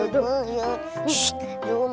woy balik kan